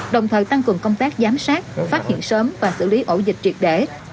đồng thời tăng cường công tác giám sát phát hiện sớm và xử lý ổ dịch triệt để